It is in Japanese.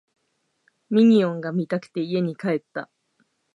ミニオンが見たくて家に帰った